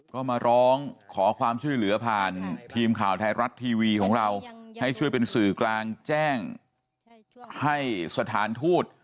ก็มาร้องขอความช่วยเหลือผ่านทีมข่าวไทยรัฐทีวีของเราให้ช่วยเป็นสื่อกลางแจ้งให้สถานทูต